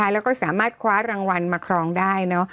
แล้วก็สามารถคว้ารางวัลมาครองได้